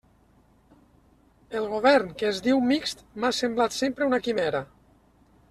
El govern que es diu mixt m'ha semblat sempre una quimera.